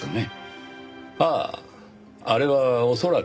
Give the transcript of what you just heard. あああれは恐らく。